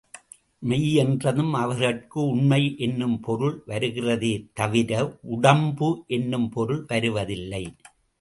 மெய் என்றதும், அவர்கட்கு உண்மை என்னும் பொருள் வருகிறதே தவிர, உடம்பு என்னும் பொருள் வருவதில்லை.